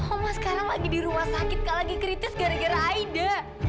oma sekarang lagi di rumah sakit kak lagi kritis gara gara aida